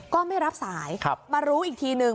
ก็ไม่รับสายมารู้อีกทีนึง